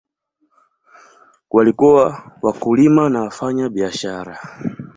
Walikuwa wakulima na wafanyabiashara.